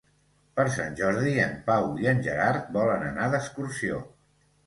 Per Sant Jordi en Pau i en Gerard volen anar d'excursió.